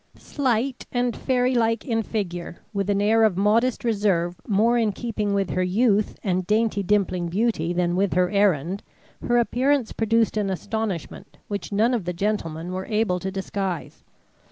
Slight and fairy like in figure, with an air of modest reserve more in keeping with her youth and dainty dimpling beauty than with her errand, her appearance produced an astonishment which none of the gentlemen were able to disguise.